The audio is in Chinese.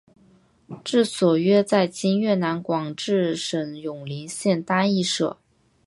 治所约在今越南广治省永灵县丹裔社。